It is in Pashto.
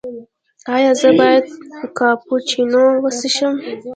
ایا زه باید کاپوچینو وڅښم؟